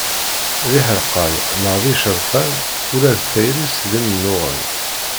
D iḥerqan neɣ d icerfan, ula d tayri-s d imennuɣen.